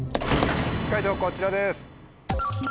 解答こちらです。